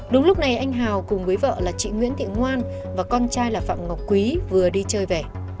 đúng lúc này anh hào cùng với vợ là chị nguyễn thị ngoan và con trai là phạm ngọc quý vừa đi chơi về